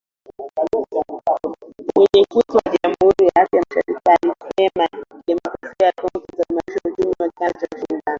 Mwenyekiti wa jumuiya ya Afrika Mashariki alisema kujiunga kwa Jamhuri ya Kidemokrasia ya Kongo kutaimarisha uchumi wa kikanda, ushindani barani